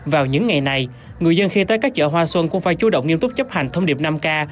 vào những ngày này người dân khi tới các chợ hoa xuân cũng phải chú động nghiêm túc chấp hành thông điệp năm k